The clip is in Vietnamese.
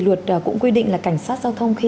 luật cũng quy định là cảnh sát giao thông khi